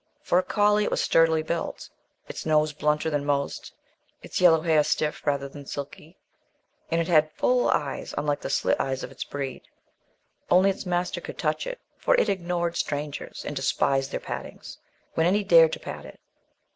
For a collie it was sturdily built, its nose blunter than most, its yellow hair stiff rather than silky, and it had full eyes, unlike the slit eyes of its breed. Only its master could touch it, for it ignored strangers, and despised their pattings when any dared to pat it.